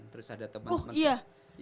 terus ada teman teman